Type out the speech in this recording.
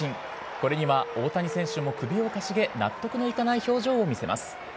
これには大谷選手も首をかしげ、納得のいかない表情を見せます。